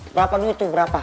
berapa duit tuh berapa